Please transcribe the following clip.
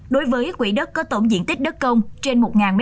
đối với quỹ đất có tổng diện tích đất công trên một m hai